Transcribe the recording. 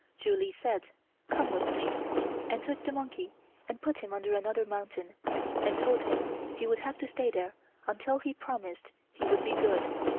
Ju Li said: "Come with me," and took the monkey and put him under another mountain and told him he would have to stay there until he promised he would be good.